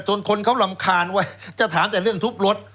คนเขารำคาญว่าจะถามแต่เรื่องทุบรถ